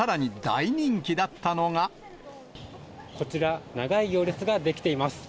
こちら、長い行列が出来ています。